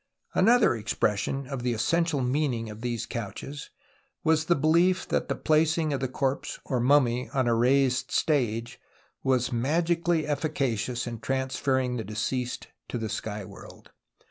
Another expression of tlie essential meaning of these couches was the belief that the placing of the corpse or mummy on a raised stage was magically efficacious in transferringthe deceased to the sky world.